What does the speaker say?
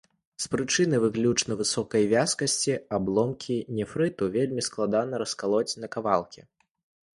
З прычыны выключна высокай вязкасці абломкі нефрыту вельмі складана раскалоць на кавалкі.